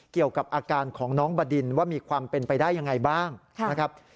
เกี่ยวกับอาการของน้องบดินว่ามีความเป็นไปได้ยังไงบ้างนะครับ